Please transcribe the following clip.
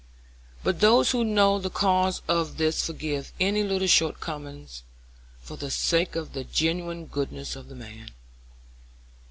But those who know the cause of this forgive any little short comings for the sake of the genuine goodness of the man.